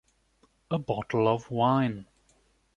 A bottle of wine.